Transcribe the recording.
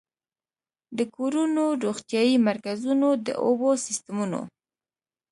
د کورونو، روغتيايي مرکزونو، د اوبو سيستمونو